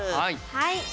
はい。